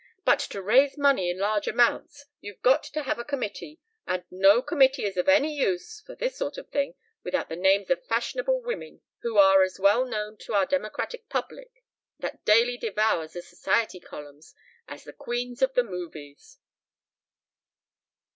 "But to raise money in large amounts you've got to have a committee, and no committee is of any use for this sort of thing without the names of fashionable women who are as well known to our democratic public, that daily devours the society columns, as the queens of the movies."